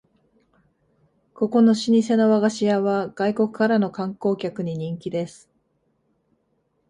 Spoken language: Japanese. ここの老舗の和菓子屋は外国からの観光客に人気です